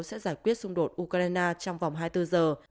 sẽ giải quyết xung đột ukraine trong vòng hai mươi bốn giờ